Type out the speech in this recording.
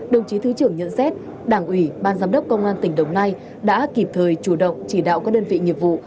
đồng chí thứ trưởng nhận xét đảng ủy ban giám đốc công an tỉnh đồng nai đã kịp thời chủ động chỉ đạo các đơn vị nghiệp vụ